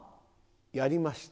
やりました。